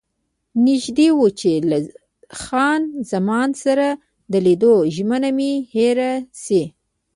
نژدې وو چې له خان زمان سره د لیدو ژمنه مې هېره شي.